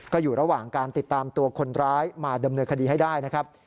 ก็อยู่ระหว่างการติดตามตัวคนร้ายมาดำเนินคดีให้ได้นะครับ